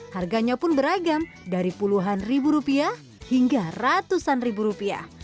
harganya pun beragam dari puluhan ribu rupiah hingga ratusan ribu rupiah